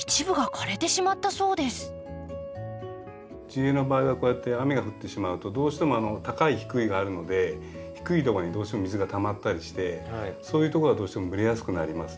地植えの場合はこうやって雨が降ってしまうとどうしても高い低いがあるので低いとこにどうしても水がたまったりしてそういうとこがどうしても蒸れやすくなりますね。